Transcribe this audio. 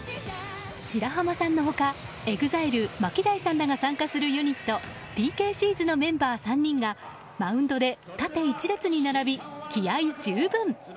白濱さんのほかＥＸＩＬＥＭＡＫＩＤＡＩさんらが参加するユニットＰＫＣＺのメンバー３人がマウンドで縦１列に並び気合十分。